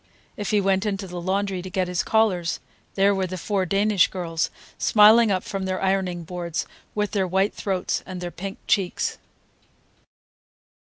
If he went into the laundry to get his collars, there were the four Danish girls, smiling up from their ironing boards, with their white throats and their pink cheeks.